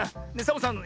サボさん